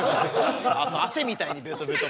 汗みたいにベトベト。